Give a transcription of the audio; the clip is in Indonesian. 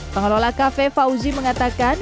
pengelola kafe fauzi mengatakan